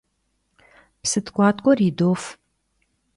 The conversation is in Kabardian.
Psı tk'uatk'uer yidof.